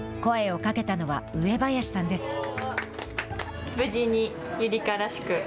声をかけたのは上林さんです。